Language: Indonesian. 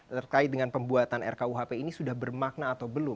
terkait dengan pembuatan rkuhp ini sudah bermakna atau belum